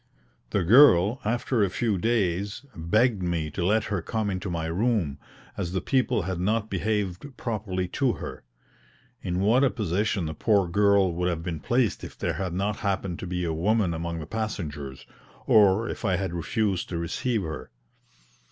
The girl, after a few days, begged me to let her come into my room, as the people had not behaved properly to her. In what a position the poor girl would have been placed if there had not happened to be a woman among the passengers, or if I had refused to receive her!